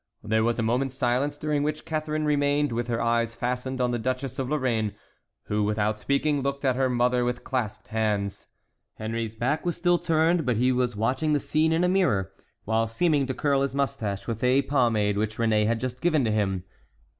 There was a moment's silence, during which Catharine remained with her eyes fastened on the Duchess of Lorraine, who, without speaking, looked at her mother with clasped hands. Henry's back was still turned, but he was watching the scene in a mirror, while seeming to curl his mustache with a pomade which Réné had just given to him.